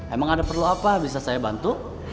emang ada perlu apa bisa saya bantu